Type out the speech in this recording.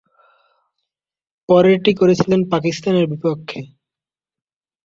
পরেরটি করেছিলেন পাকিস্তানের বিপক্ষে।